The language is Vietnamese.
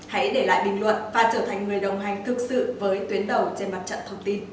hãy để lại bình luận và trở thành người đồng hành thực sự với tuyến đầu trên mặt trận thông tin